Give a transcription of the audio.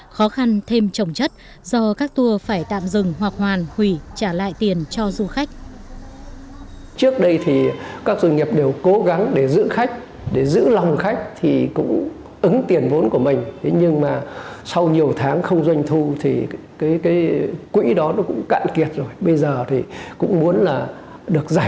khó khăn thêm trồng chất do các tour phải tạm dừng hoặc hoàn hủy trả lại tiền cho du khách